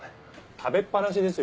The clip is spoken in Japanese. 食べっ放しですよ